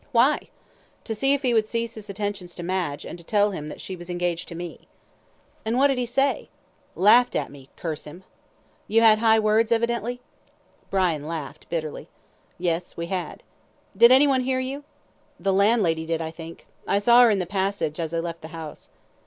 "Why?" "To see if he would cease his attentions to Madge, and to tell him that she was engaged to me." "And what did he say?" "Laughed at me. Curse him." "You had high words, evidently?" Brian laughed bitterly. "Yes, we had." "Did anyone hear you?" "The landlady did, I think. I saw her in the passage as I left the house."